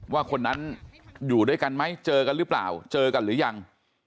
ว่าคนนั้นอยู่ด้วยกันไหมเจอกันหรือเปล่าเจอกันหรือยัง